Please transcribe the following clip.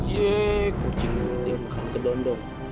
yeay kucing putih makan kedondong